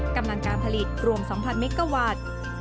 กำหนังการผลิตรวม๒๐๐๐เมกะวัตต์